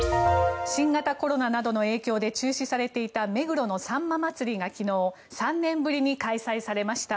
新型コロナなどの影響で中止されていた目黒のさんま祭が、昨日３年ぶりに開催されました。